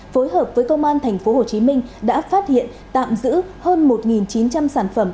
phối hợp với công an tp hcm đã phát hiện tạm giữ hơn một chín trăm linh sản phẩm